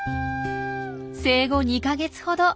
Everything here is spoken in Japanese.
生後２か月ほど。